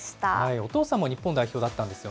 お父さんも日本代表だったんですよね。